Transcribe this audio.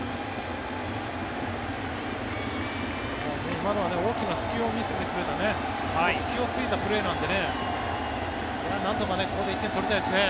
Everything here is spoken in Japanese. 今のは大きな隙を見せてくれてその隙を突いたプレーなのでなんとかここで１点取りたいですね。